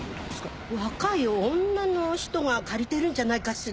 若い女の人が借りてるんじゃないかしら？